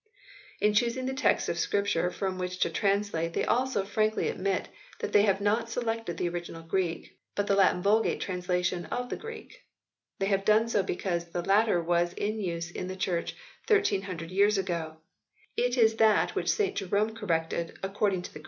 In choosing the text of Scripture from which to translate they also frankly admit that they have not selected the original Greek, but the Latin Vulgate translation of the Greek. They have done so because the latter was in use in the Church 1300 years ago ; it is that which St Jerome corrected according to the 94 HISTORY OF THE ENGLISH BIBLE [OH.